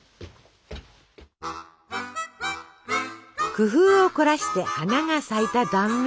工夫を凝らして花が咲いた断面。